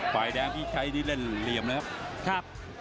ฝ่ายแดงพี่ไขส์ซึ่งเรียนเรียมนะครับ